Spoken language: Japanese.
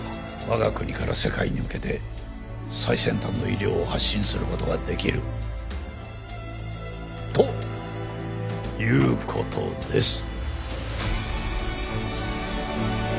我が国から世界に向けて最先端の医療を発信する事が出来るという事です。